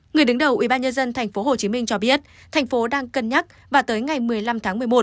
người đứng đầu ubnd tp hcm cho biết thành phố đang cân nhắc và tới ngày một mươi năm tháng một mươi một